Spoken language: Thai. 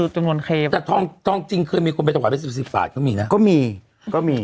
แต่ทองจริงมีคุณไปตะวัดไป๑๐บาทก็มีนะ